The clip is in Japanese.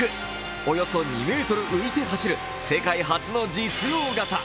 およそ２ｍ浮いて走る世界初の実用型。